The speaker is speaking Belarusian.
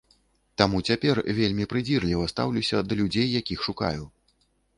Таму цяпер вельмі прыдзірліва стаўлюся да людзей, якіх шукаю.